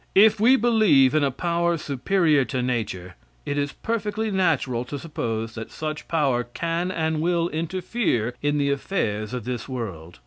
If we believe in a power superior to nature, it is perfectly natural to suppose that such power can and will interfere in the affairs of this world.